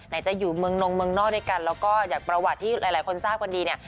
จะอยู่เมืองนงเมืองนอกด้วยกันแล้วก็อย่างประวัติที่หลายคนทราบกันดีเนี่ย